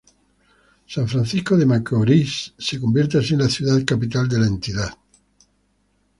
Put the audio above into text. San Francisco de Macorís se convierte así en la ciudad capital de la entidad.